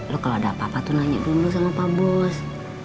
lo kalau ada apa apa tuh nanya dulu sama pak bus